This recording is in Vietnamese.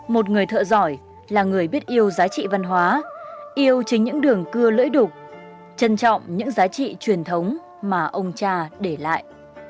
một người thợ giỏi là người biết yêu giá trị văn hóa yêu chính những đường cư lưỡi đục trân trọng những giá trị truyền thống mà ông cha để lại